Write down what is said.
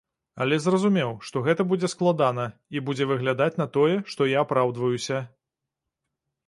Але зразумеў, што гэта будзе складана і будзе выглядаць на тое, што я апраўдваюся.